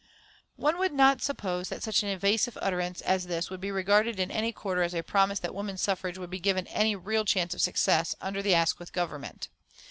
One would not suppose that such an evasive utterance as this would be regarded in any quarter as a promise that woman suffrage would be given any real chances of success under the Asquith Government.